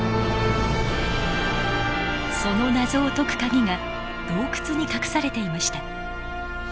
その謎を解く鍵が洞窟に隠されていました。